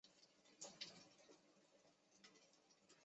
短促京黄芩为唇形科黄芩属下的一个变种。